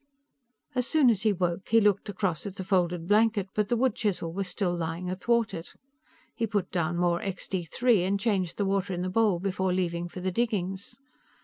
As soon as he woke, he looked across at the folded blanket, but the wood chisel was still lying athwart it. He put down more Extee Three and changed the water in the bowl before leaving for the diggings.